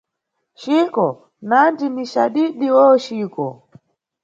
Chico -nandi ni cadidi oh Chico?